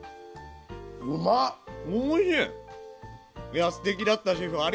いやステキだったシェフ。